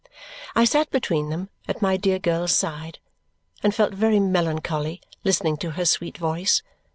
I sat between them, at my dear girl's side, and felt very melancholy listening to her sweet voice.